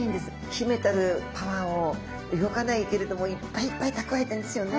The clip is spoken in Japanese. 秘めたるパワーを動かないけれどもいっぱいいっぱい蓄えているんですよね。